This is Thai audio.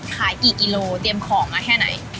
ขายกี่กิโลเตรียมของมาแค่ไหน